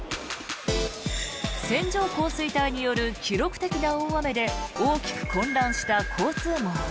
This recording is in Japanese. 線状降水帯による記録的な大雨で大きく混乱した交通網。